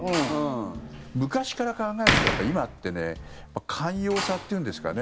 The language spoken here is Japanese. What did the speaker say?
昔から考えるとやっぱり今ってね寛容さっていうんですかね。